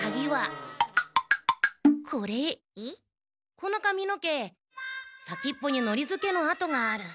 このかみの毛先っぽにのりづけのあとがある。